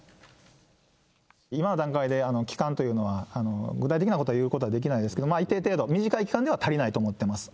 今の段階で期間というのは、具体的なことは言うことはできないですけど、一定程度、短い期間では足りないと思ってます。